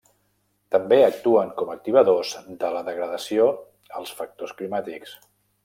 També actuen com activadors de la degradació els factors climàtics.